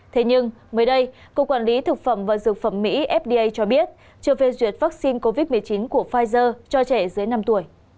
thế nhưng mới đây cục quản lý thực phẩm và dược phẩm mỹ fda cho biết chưa phê duyệt vaccine covid một mươi chín của pfizer cho trẻ dưới năm tuổi